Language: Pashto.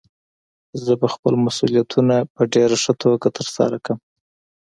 زه به خپل مسؤليتونه په ډېره ښه توګه ترسره کړم.